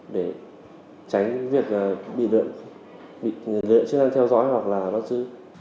để tránh việc bị lượn bị lượn trên đoàn theo dõi hoặc là bắt giữ